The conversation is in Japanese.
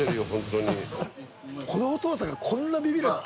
海お父さんがこんなビビるって